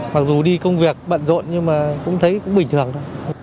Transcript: mặc dù đi công việc bận rộn nhưng mà cũng thấy cũng bình thường thôi